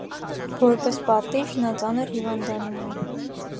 Որպես պատիժ՝ նա ծանր հիվանդանում է։